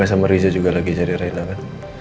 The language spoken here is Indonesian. sama riza juga sedang mencari reyna